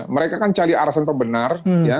mereka kan cari alasan pembenar